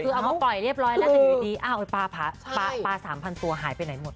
คือเอามาปล่อยเรียบร้อยแล้วแต่อยู่ดีอ้าวปลา๓๐๐ตัวหายไปไหนหมด